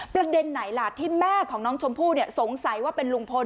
ประเด็นไหนล่ะที่แม่ของน้องชมพู่สงสัยว่าเป็นลุงพล